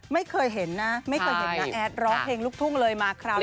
ไม่เคยเห็นนะไม่เคยเห็นน้าแอดร้องเพลงลูกทุ่งเลยมาคราว